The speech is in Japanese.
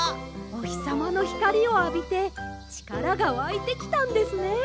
おひさまのひかりをあびてちからがわいてきたんですね。